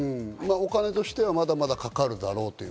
お金としては、まだまだかかるだろうと。